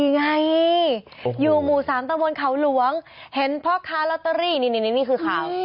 ๖๔ไงอยู่มู่สามตระวนเขาหลวงเห็นเกมของรัตเตอรี่นี่คือข่าว